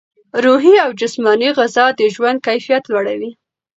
روحي او جسماني غذا د ژوند کیفیت لوړوي.